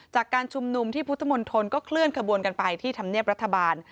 จากการชุมนุมที่พุทธมนตรก็เคลื่อนขบวนกันไปที่ธรรมเนียบรัฐบาล